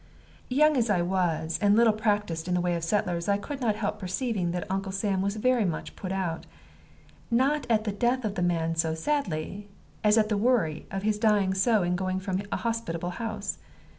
Young as I was, and little practiced in the ways of settlers, I could not help perceiving that Uncle Sam was very much put out not at the death of the man so sadly, as at the worry of his dying so in going from a hospitable house.